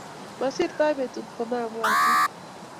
Masirtoi betut komabwatin